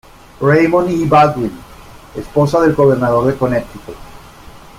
Raymond E. Baldwin, esposa del gobernador de Connecticut.